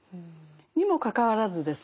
にもかかわらずですね